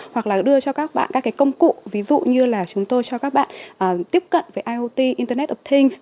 hoặc là đưa cho các bạn các cái công cụ ví dụ như là chúng tôi cho các bạn tiếp cận với iot internet of thing